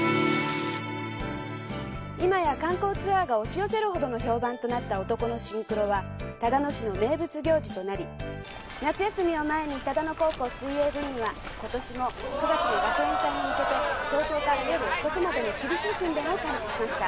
今や観光ツアーが押し寄せるほどの評判となった男のシンクロは唯野市の名物行事となり夏休みを前に唯野高校水泳部員は今年も９月の学園祭に向けて早朝から夜遅くまでの厳しい訓練を開始しました。